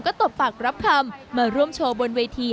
ก็ตบปากรับคำมาร่วมโชว์บนเวที